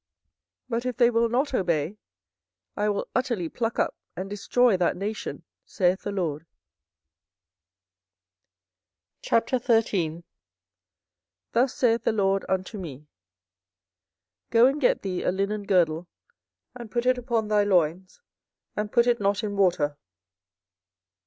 24:012:017 But if they will not obey, I will utterly pluck up and destroy that nation, saith the LORD. 24:013:001 Thus saith the LORD unto me, Go and get thee a linen girdle, and put it upon thy loins, and put it not in water.